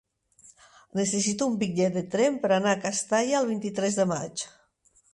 Necessito un bitllet de tren per anar a Castalla el vint-i-tres de maig.